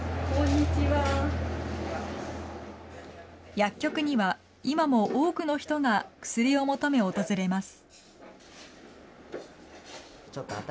薬局には、今も多くの人が薬を求め訪れます。